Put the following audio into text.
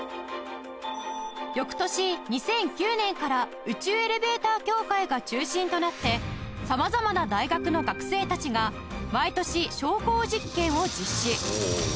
翌年２００９年から宇宙エレベーター協会が中心となって様々な大学の学生たちが毎年昇降実験を実施